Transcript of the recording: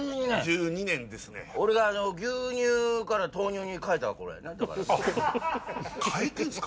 １２年ですね俺が牛乳から豆乳にかえた頃やなかえてんすか？